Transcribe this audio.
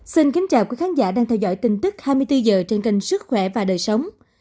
xin kính chào quý khán giả đang theo dõi tin tức hai mươi bốn h trên kênh sức khỏe và đời sống